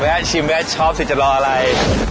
แวะชิมแวะชอบสิจะรออะไร